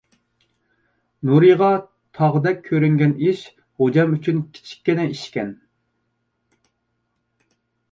نۇرىغا تاغدەك كۆرۈنگەن ئىش غوجام ئۈچۈن كىچىككىنە ئىشكەن.